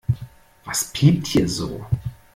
Was piept hier so?